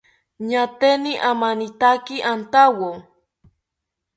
Ñaateni amanitaki antawo